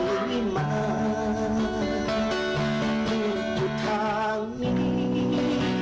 โทษจะหลับให้สบายสู่สวรรค์ข้าอยู่ในริมัน